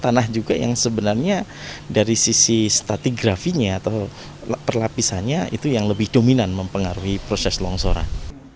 tanah juga yang sebenarnya dari sisi statigrafinya atau perlapisannya itu yang lebih dominan mempengaruhi proses longsoran